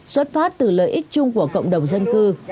xuất phát từ lợi ích chung của cộng đồng dân cư